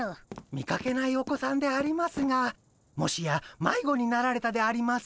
見かけないお子さんでありますがもしやまいごになられたでありますか？